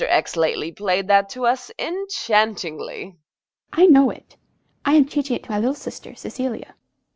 X. lately played that to us enchantingly. EMMA. I know it. I am teaching it to my little sister, Cecilia.